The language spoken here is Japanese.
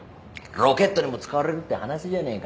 ロケットにも使われるって話じゃねえか。